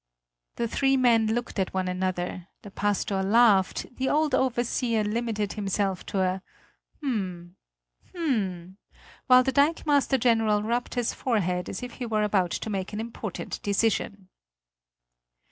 The three men looked at one another; the pastor laughed, the old overseer limited himself to a "hm, hm!" while the dikemaster general rubbed his forehead as if he were about to make an important decision.